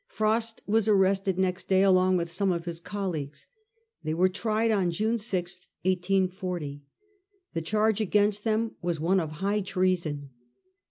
Frost was arrested next day along with some of his col leagues. They were tried on June 6, 1840. The charge against them was one of high treason.